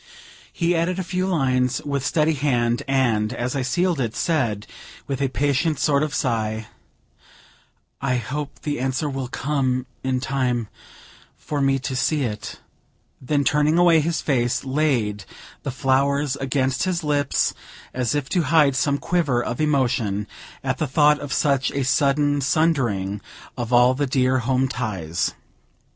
He added a few lines, with steady hand, and, as I sealed it, said, with a patient sort of sigh, "I hope the answer will come in time for me to see it;" then, turning away his face, laid the flowers against his lips, as if to hide some quiver of emotion at the thought of such a sudden sundering of all the dear home ties.